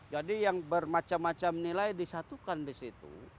jadi yang bermacam macam nilai disatukan di situ